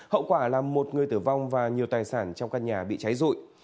hậu quả là một người tử vong và nhiều tài sản trong căn nhà bị cháy rụi